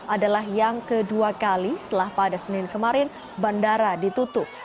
adalah yang kedua kali setelah pada senin kemarin bandara ditutup